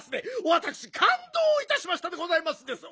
わたくしかんどういたしましたでございますです！